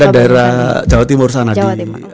daerah jawa timur sana di